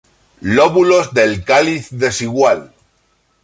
Lóbulos del cáliz desigual.